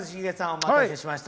お待たせしました。